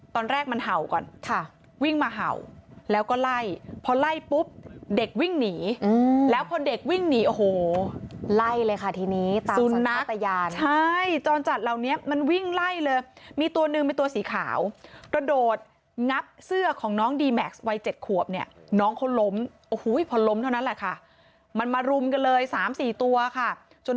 ตอนแรกมันเห่าก่อนค่ะวิ่งมาเห่าแล้วก็ไล่พอไล่ปุ๊บเด็กวิ่งหนีแล้วพอเด็กวิ่งหนีโอ้โหไล่เลยค่ะทีนี้ตามหน้าตะยานใช่จรจัดเหล่านี้มันวิ่งไล่เลยมีตัวหนึ่งเป็นตัวสีขาวกระโดดงับเสื้อของน้องดีแม็กซ์วัย๗ขวบเนี่ยน้องเขาล้มโอ้โหพอล้มเท่านั้นแหละค่ะมันมารุมกันเลยสามสี่ตัวค่ะจน